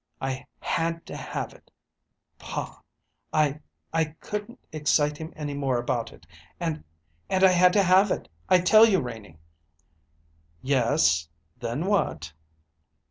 I had to have it. Pa . I I couldn't excite him any more about it; and and I had to have it, I tell you, Renie." "Yes; then what?"